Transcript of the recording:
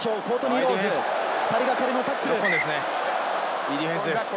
いいディフェンスです。